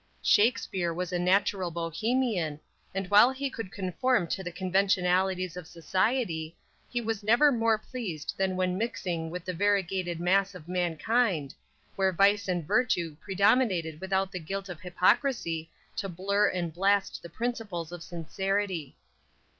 Shakspere was a natural bohemian, and while he could conform to the conventionalities of society, he was never more pleased than when mixing with the variegated mass of mankind, where vice and virtue predominated without the guilt of hypocrisy to blur and blast the principles of sincerity.